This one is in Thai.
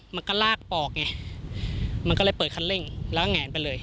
มันก็ลากปอกไงมันก็เลยเปิดคันเร่งแล้วก็แงนไปเลย